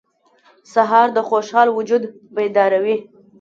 سهار د خوشحال وجود بیداروي.